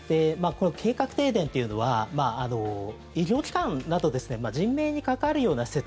この計画停電というのは医療機関など人命に関わるような施設